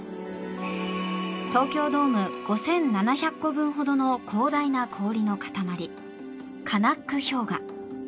東京ドーム５７００個分ほどの広大な氷の塊、カナック氷河。